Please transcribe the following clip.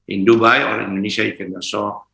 in dubai or indonesia you can also